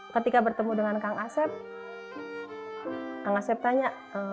ketika bertemu dengan kang asef kang asef tanya